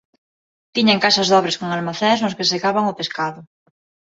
Tiñan casas dobres con almacéns nos que secaban o pescado.